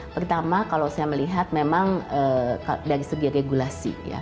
pertama kalau saya melihat memang dari segi regulasi ya